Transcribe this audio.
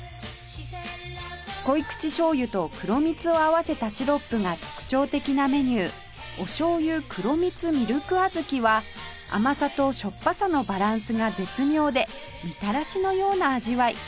濃口醤油と黒みつを合わせたシロップが特徴的なメニューお醤油黒みつみるくあずきは甘さとしょっぱさのバランスが絶妙でみたらしのような味わい